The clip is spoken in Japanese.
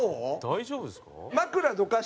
大丈夫ですか？